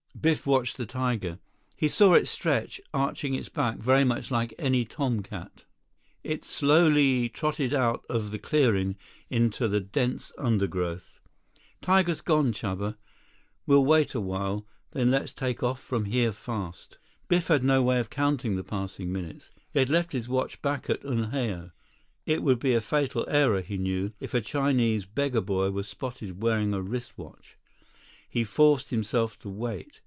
Biff watched the tiger. He saw it stretch, arching its back very much like any tomcat. It slowly trotted out of the clearing into the dense undergrowth. "Tiger's gone, Chuba. We'll wait awhile, then let's take off from here fast." Biff had no way of counting the passing minutes. He had left his watch back at Unhao. It would be a fatal error, he knew, if a Chinese beggar boy were spotted wearing a wrist watch. He forced himself to wait.